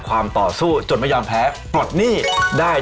ต่อสู้จนไม่ยอมแพ้ปลดหนี้ได้